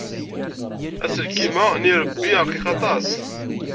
Aselkim-a n yirebbi rqiq aṭas.